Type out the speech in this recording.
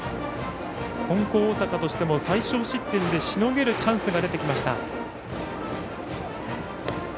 金光大阪としても最少失点でしのげるチャンスが出てきました。